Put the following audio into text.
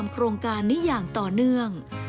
โครงการนี้อย่างต่อเนื่อง